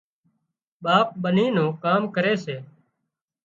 ٻاپ ٻني نون ڪام ڪري سي